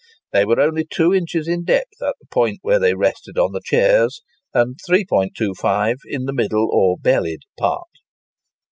They were only 2 inches in depth at the points at which they rested on the chairs, and 3¼ inches in the middle or bellied part.